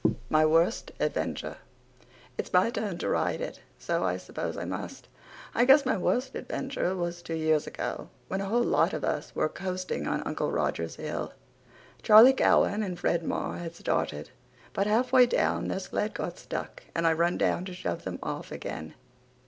MY WORST ADVENTURE It's my turn to write it so I suppose I must. I guess my worst adventure was two years ago when a whole lot of us were coasting on Uncle Rogers hill. Charlie Cowan and Fred Marr had started, but half way down their sled got stuck and I run down to shove them off again.